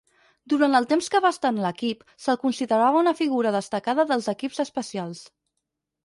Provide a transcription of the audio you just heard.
Durant el temps que va estar en l'equip, se'l considerava una figura destacada dels equips especials.